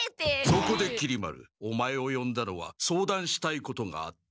そこできり丸オマエをよんだのは相談したいことがあって。